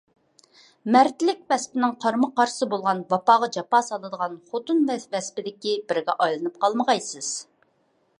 «مەردلىك» ۋەسپىنىڭ قارىمۇقارشىسى بولغان ۋاپاغا جاپا سالىدىغان «خوتۇن» ۋەسپىدىكى بىرىگە ئايلىنىپ قالمىغايسىز.